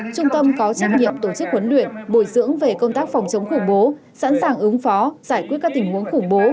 trung tâm có trách nhiệm tổ chức huấn luyện bồi dưỡng về công tác phòng chống khủng bố sẵn sàng ứng phó giải quyết các tình huống khủng bố